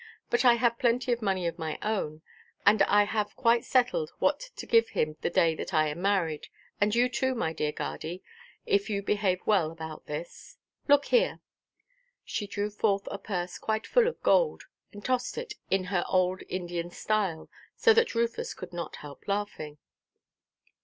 But I have plenty of money of my own; and I have quite settled what to give him the day that I am married, and you too, my dear guardy, if you behave well about this. Look here!" She drew forth a purse quite full of gold, and tossed it in her old Indian style, so that Rufus could not help laughing.